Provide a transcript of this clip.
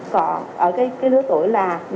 còn ở cái đứa tuổi là năm mươi tuổi trở lên